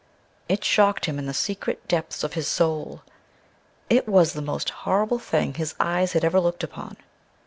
It shocked him in the secret depths of his soul. It was the most horrible thing his eyes had ever looked upon.